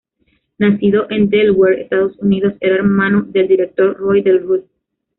Nacido en Delaware, Estados Unidos, era hermano del director Roy Del Ruth.